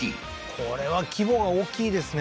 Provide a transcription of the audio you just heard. これは規模が大きいですね